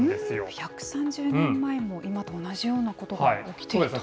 １３０年前も今と同じようなことが起きていると。